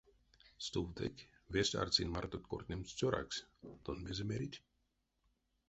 Стувтык, весть арсинь мартот кортнемс цёракс, тон мезе мерить?